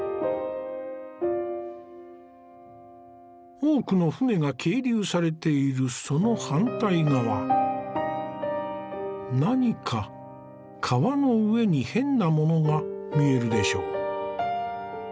多くの舟が係留されているその反対側何か川の上に変なものが見えるでしょ。